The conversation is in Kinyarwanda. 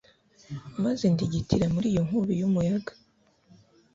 maze ndigitira muri iyo nkubi y'umuyaga